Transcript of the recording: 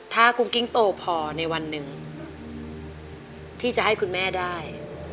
ถ้ากุ้งกิ้งโตพอในวันหนึ่งที่จะให้คุณแม่ได้